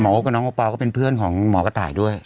หมอโอ๊คน้องโอปาเป็นเพื่อนของหมอกระไต่ด้วย